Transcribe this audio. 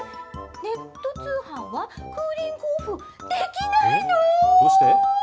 ネット通販はクーリングオフ、できないの？